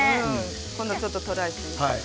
ちょっとトライして。